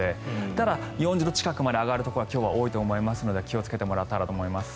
ただ、４０度近くまで上がるところは今日は多いと思いますので気をつけてもらったらと思います。